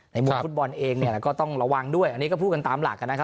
มุมฟุตบอลเองเนี่ยก็ต้องระวังด้วยอันนี้ก็พูดกันตามหลักนะครับ